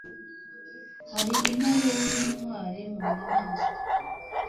hari intare y'intwari mu nyamaswa